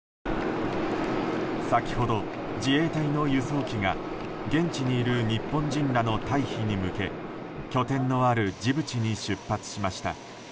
先ほど、自衛隊の輸送機が現地にいる日本人らの退避に向け拠点にあるジブチに出発しました。